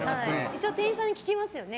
一応店員さんに聞きますよね。